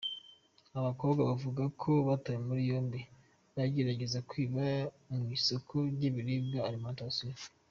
Aba bakorwa bavuga ko batawe muri yombi bagerageza kwiba mu isoko rw’ ibiribwa ‘alimentation’.